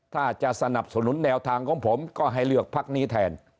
ถ้าจะสนับสนุนแนวทางของผมก็ให้เลือกพักนี้แทน